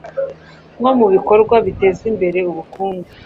nko mu bikorwa biteza imbere ubukungu,